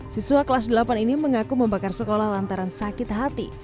siswa kelas delapan ini mengaku membakar sekolah lantaran sakit hati